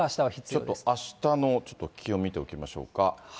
ちょっとあしたの気温見ておきましょうか。